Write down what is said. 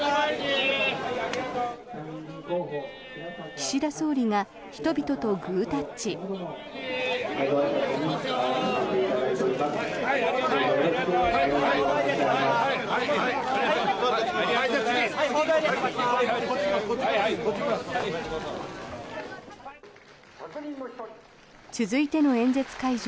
岸田総理が人々とグータッチ。続いての演説会場